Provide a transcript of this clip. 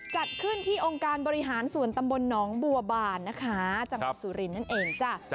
จัดคลื่นที่องค์การบริหารส่วนตำบลนนนองบัวบรรณจางกับสุรินทร์